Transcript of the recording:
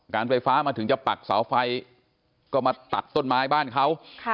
ไฟฟ้ามาถึงจะปักเสาไฟก็มาตัดต้นไม้บ้านเขา